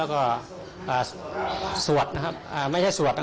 แล้วก็สวดนะครับไม่ใช่สวดนะครับ